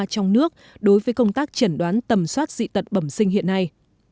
trong nước đối với công tác chẩn đoán tầm soát dị tật bẩm sinh hiện nay